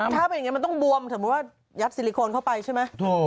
ถ้าเป็นอย่างนี้มันต้องบวมสมมุติว่ายัดซิลิโคนเข้าไปใช่ไหม